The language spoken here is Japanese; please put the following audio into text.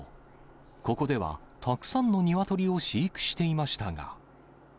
ここではたくさんの鶏を飼育していましたが。